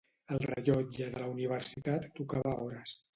El rellotge de la Universitat tocava hores.